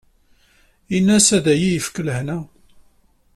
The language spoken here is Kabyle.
In-as ad iyi-yefk lehna.